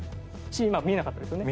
今見えなかったですよね。